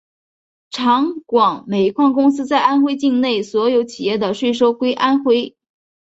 长广煤矿公司在安徽境内所有企业的税收归安徽。